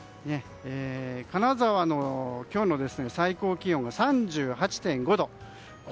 金沢の今日の最高気温は３８．５度。